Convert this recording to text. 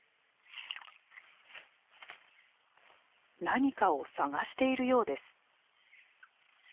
何かを探しているようです。